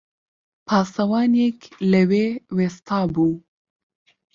پاسەوانێک لەوێ وێستابوو